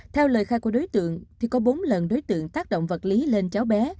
theo lời khai của đối tượng thì có bốn lần đối tượng tác động vật lý lên cháu bé